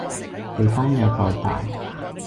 地方又夠大